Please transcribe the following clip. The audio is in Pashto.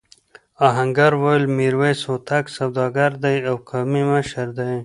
آهنګر وویل میرويس هوتک سوداګر دی او قومي مشر دی.